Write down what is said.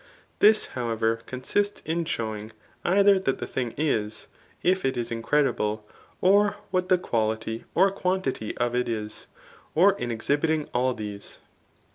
This, however, conasts in showing, either that the thing is, if it is incredible, or what the quality, or quantity of it is,* or in exhibiting all these.